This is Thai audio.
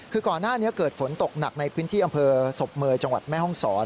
คือก่อนหน้านี้เกิดฝนตกหนักในพื้นที่อำเภอศพเมย์จังหวัดแม่ห้องศร